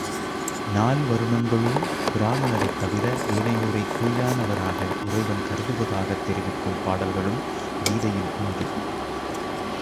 நால் வருணங்களுள் பிராமணரைத் தவிர ஏனையோரைக் கீழானவராக இறைவன் கருதுவதாகத் தெரிவிக்கும் பாடல்களும் கீதையில் உண்டு.